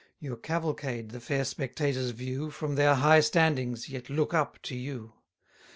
Your cavalcade the fair spectators view, From their high standings, yet look up to you.